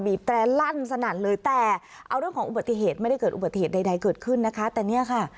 แตรลั่นสนั่นเลยแต่เอาเรื่องของอุบัติเหตุไม่ได้เกิดอุบัติเหตุใดเกิดขึ้นนะคะแต่เนี่ยค่ะ